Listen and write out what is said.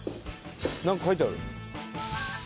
「なんか書いてある」